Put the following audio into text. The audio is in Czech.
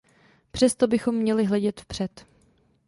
Přesto bychom měli hledět vpřed.